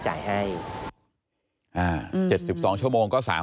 พบหน้าลูกแบบเป็นร่างไร้วิญญาณ